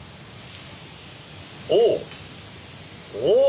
おお！